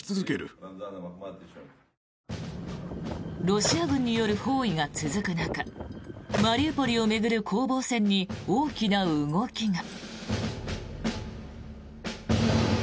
ロシア軍による包囲が続く中マリウポリを巡る攻防戦に大きな動きが。